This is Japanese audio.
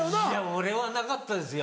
俺はなかったですよ。